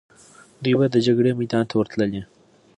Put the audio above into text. دوی به د جګړې میدان ته ورتللې.